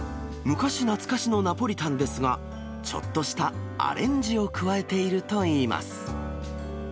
昔懐かしのナポリタンですが、ちょっとしたアレンジを加えているといいます。